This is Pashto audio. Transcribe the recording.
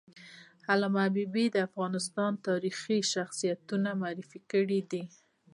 علامه حبیبي د افغانستان تاریخي شخصیتونه معرفي کړي دي.